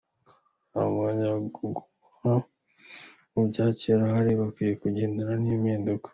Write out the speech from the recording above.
Nta mwanya wo kuguma mu byakera uhari, bakwiye kugendana n’impinduka.